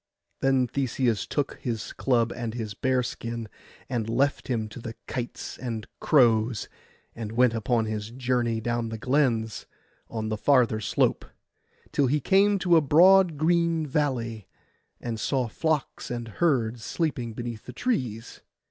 Then Theseus took his club and his bearskin, and left him to the kites and crows, and went upon his journey down the glens on the farther slope, till he came to a broad green valley, and saw flocks and herds sleeping beneath the trees.